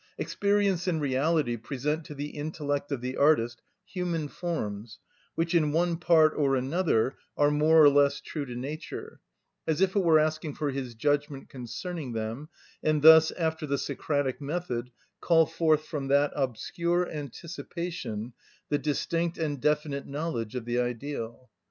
Experience and reality present to the intellect of the artist human forms, which, in one part or another, are more or less true to nature, as if it were asking for his judgment concerning them, and thus, after the Socratic method, call forth from that obscure anticipation the distinct and definite knowledge of the ideal.